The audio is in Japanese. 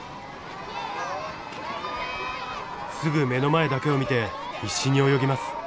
すぐ目の前だけを見て必死に泳ぎます。